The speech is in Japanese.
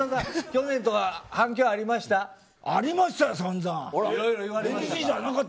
去年と反響ありましたか。